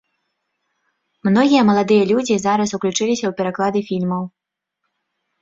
Многія маладыя людзі зараз уключыліся ў пераклады фільмаў.